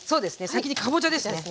先にかぼちゃですね。